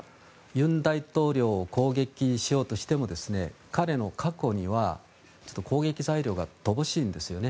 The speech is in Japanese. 尹大統領を攻撃しようとしても彼の過去には攻撃材料が乏しいんですよね。